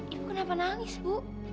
ibu kenapa nangis bu